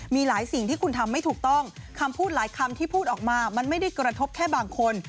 มีหลายสิ่งที่คุณทำไม่ถูกต้องคำพูดหลายคำที่พูดออกมามันไม่ได้กระทบแค่บางคน